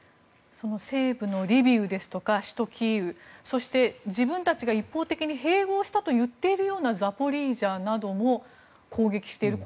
西部のリビウですとか首都キーウそして、自分たちが一方的に併合したといっているようなザポリージャなども攻撃している。